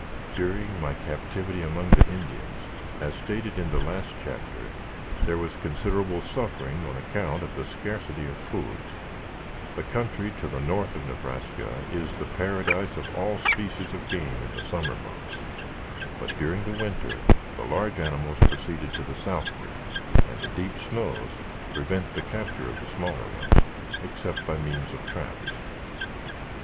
During my captivity among the Indians, as stated in the last chapter, there was considerable suffering on account of the scarcity of food. The country to the north of Nebraska is the paradise of all species of game in the summer months, but during the winter the large animals proceed to the southward, and the deep snows prevent the capture of the smaller ones, except by means of traps.